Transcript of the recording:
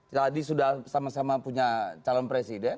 tadi sudah sama sama punya calon presiden